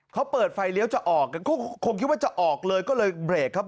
เขาเปิดไฟเลี้ยวจะออกก็คงคิดว่าจะออกเลยก็เลยเบรกครับ